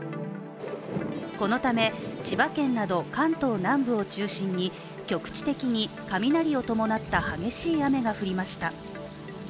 このため、千葉県など関東南部を中心に局地的に雷を伴った激しい雨が降りました。